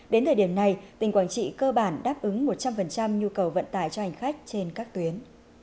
đến thời điểm này tỉnh quảng trị cơ bản đáp ứng một trăm linh nhu cầu vận tải cho hành khách trên các tuyến